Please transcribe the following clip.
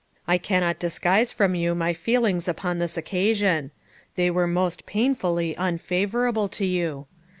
I cannot disguise from you my feelings upon this occasion; they were most painfully unfavorable to you.